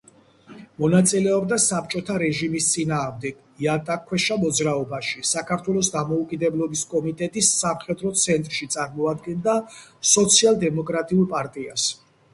მონაწილეობდა საბჭოთა რეჟიმის წინააღმდეგ იატაკქვეშა მოძრაობაში; საქართველოს დამოუკიდებლობის კომიტეტის „სამხედრო ცენტრში“ წარმოადგენდა სოციალ-დემოკრატიულ პარტიას.